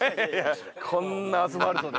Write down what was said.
こんなアスファルトで？